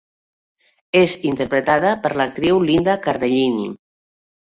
És interpretada per l'actriu Linda Cardellini.